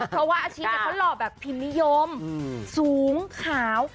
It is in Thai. เพราะว่าอาชีพเขาหล่อแบบพิมพ์นิยมสูงขาว